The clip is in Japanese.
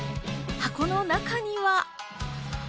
箱の中には。